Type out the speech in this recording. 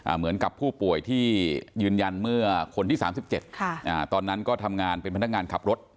เหมือนกับผู้ป่วยที่ยืนยันเมื่อคนที่๓๗ตอนนั้นก็ทำงานเป็นพนักงานขับรถ